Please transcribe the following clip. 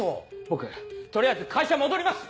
僕取りあえず会社戻ります！